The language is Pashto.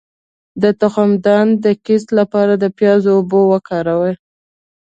د تخمدان د کیست لپاره د پیاز اوبه وکاروئ